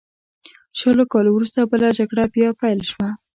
شلو کالو وروسته بله جګړه بیا پیل شوه.